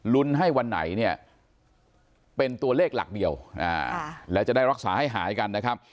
ให้วันไหนเนี่ยเป็นตัวเลขหลักเดียวแล้วจะได้รักษาให้หายกันนะครับ